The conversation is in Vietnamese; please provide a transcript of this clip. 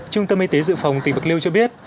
trung tâm y tế dự phòng tỉnh bạc liêu cho biết